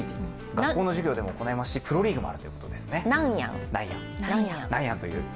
学校の授業でも行うしプロリーグもあるということです。